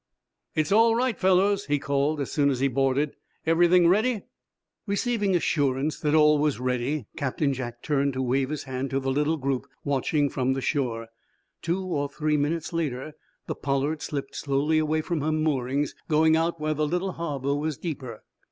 "It's all right, fellows," he called, as soon as he boarded. "Everything ready?" Receiving assurance that all was ready, Captain Jack turned to wave his hand to the little group watching from the shore. Two or three minutes later the "Pollard" slipped slowly away from her moorings, going out where the little harbor was deeper.